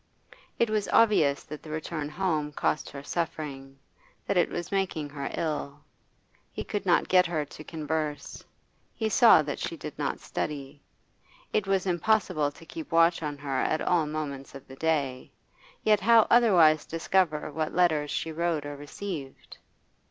It was obvious that the return home cost her suffering, that it was making her ill. He could not get her to converse; he saw that she did not study. It was impossible to keep watch on her at all moments of the day; yet how otherwise discover what letters she wrote or received?